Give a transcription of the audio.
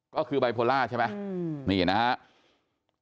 ก็คือไบโพล่าใช่ไหมนี่นะครับ